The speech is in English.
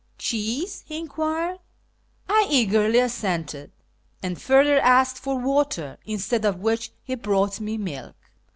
" Cheese ?" he enquired. I eagerly assented, and further asked for water, instead of which he brought me milk.